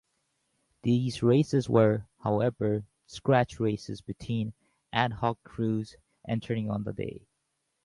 These races were, however, "scratch" races between ad hoc crews entering on the day.